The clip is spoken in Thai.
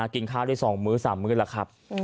กินข้าวได้๒มื้อ๓มื้อแล้วครับ